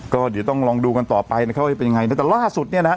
ก็เดี๋ยวต้องลองดูกันต่อไปนะครับว่าเป็นยังไงนะแต่ล่าสุดเนี่ยนะฮะ